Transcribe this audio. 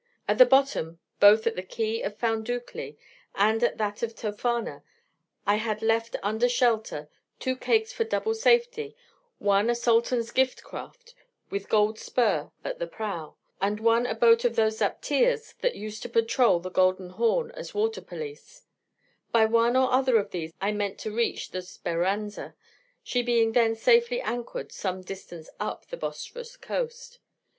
At the bottom, both at the quay of Foundoucli, and at that of Tophana, I had left under shelter two caiques for double safety, one a Sultan's gilt craft, with gold spur at the prow, and one a boat of those zaptias that used to patrol the Golden Horn as water police: by one or other of these I meant to reach the Speranza, she being then safely anchored some distance up the Bosphorus coast.